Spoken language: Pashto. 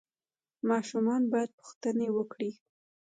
ماشومان باید پوښتنې وکړي.